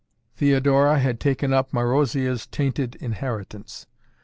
Theodora had taken up Marozia's tainted inheritance.